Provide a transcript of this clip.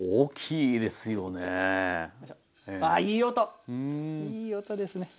いい音ですね。